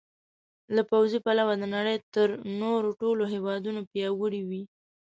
له پوځي پلوه د نړۍ تر نورو ټولو هېوادونو پیاوړي وي.